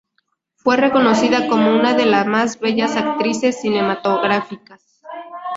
Fue reconocida como una de las más bellas actrices cinematográficas.